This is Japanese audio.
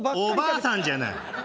おばあさんじゃない。